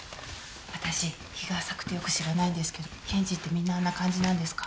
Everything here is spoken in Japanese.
私日が浅くてよく知らないんですけど検事ってみんなあんな感じなんですか？